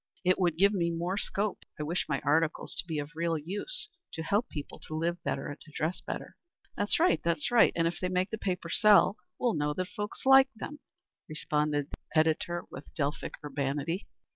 It would give me more scope. I wish my articles to be of real use to help people to live better, and to dress better." "That's right, that's right; and if they make the paper sell, we'll know that folks like them," responded the editor with Delphic urbanity.